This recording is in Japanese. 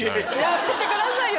やめてくださいよ！